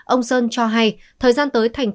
ông sơn cho hay thời gian tới thành tựu